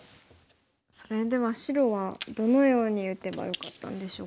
それでは白はどのように打てばよかったんでしょうか。